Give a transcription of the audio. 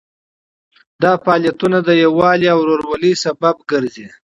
دا فعالیتونه د یووالي او ورورولۍ لامل ګرځي.